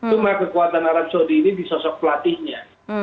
cuma kekuatan arab saudi ini disosok pelatihnya